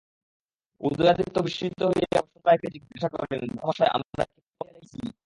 উদয়াদিত্য বিস্মিত হইয়া বসন্ত রায়কে জিজ্ঞাসা করিলেন, দাদামহাশয়, আমরা কি পলাইয়া যাইতেছি?